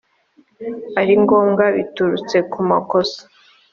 ari ngombwa biturutse ku makosa